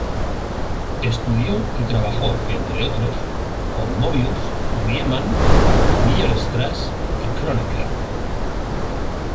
Estudió y trabajó, entre otros, con Möbius, Riemann, Weierstrass y Kronecker.